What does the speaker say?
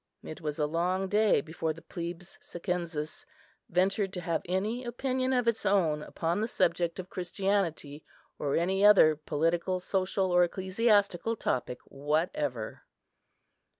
It was a long day before the Plebs Siccensis ventured to have any opinion of its own upon the subject of Christianity, or any other political, social, or ecclesiastical topic whatever.